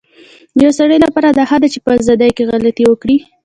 يو سړي لپاره دا ښه ده چي په ازادی کي غلطي وکړی